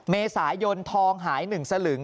เมษายนทองหาย๑สลึง